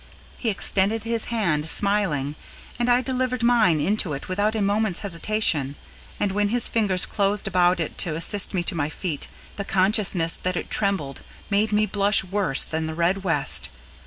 He extended his hand, smiling, and I delivered mine into it without a moment's hesitation, and when his fingers closed about it to assist me to my feet, the consciousness that it trembled made me blush worse than the red west.